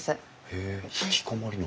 へえ引きこもりの。